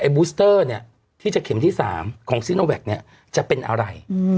บูสเตอร์ที่จะเข็มที่๓ของซีโนแวคเนี่ยจะเป็นอะไร